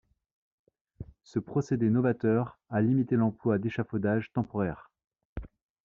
Ce procédé novateur a limité l'emploi d'échafaudages temporaires.